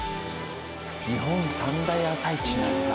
日本三大朝市なんだ。